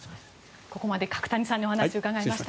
ここまで角谷さんにお話を伺いました。